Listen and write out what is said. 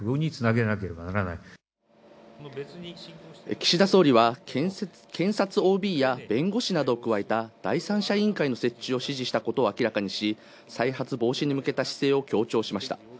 岸田総理は検察ＯＢや弁護士などを加えた第三者委員会の設置をしたことを明らかにし、再発防止に向けた姿勢を強調しました。